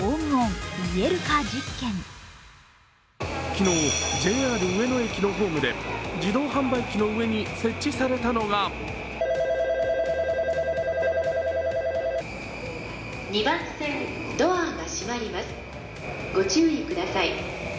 昨日、ＪＲ上野駅のホームで自動販売機の上に設置されたのが２番線、ドアが閉まります、ご注意ください。